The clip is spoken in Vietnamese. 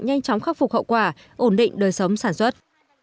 nhanh chóng khắc phục hậu quả ổn định đời sống sản xuất